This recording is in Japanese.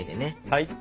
はい。